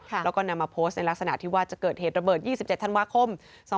แล้วก็นำมาโพสต์ในลักษณะที่ว่าจะเกิดเหตุระเบิด๒๗ธันวาคม๒๕๖